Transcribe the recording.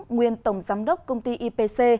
nguyên tổng giám đốc công ty ipc